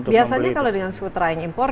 biasanya kalau dengan sutra yang impor